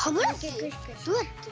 どうやって？